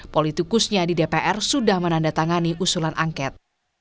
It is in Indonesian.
politikusnya di dpr sudah menandatangani usulan angket